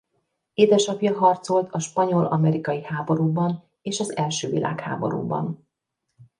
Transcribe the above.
Édesapja harcolt a spanyol–amerikai háborúban és az első világháborúban.